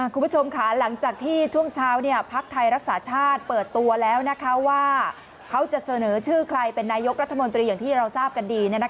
คุณผู้ชมค่ะหลังจากที่ช่วงเช้าภักดิ์ไทยรักษาชาติเปิดตัวแล้วว่าเขาจะเสนอชื่อใครเป็นนายกรัฐมนตรีอย่างที่เราทราบกันดี